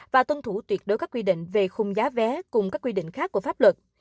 và tuân thủ tuyệt đối các quy định về khung giá vé cùng các quy định khác của pháp luật